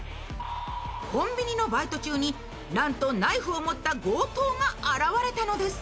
コンビニのバイト中に、なんとナイフを持った強盗が現れたのです。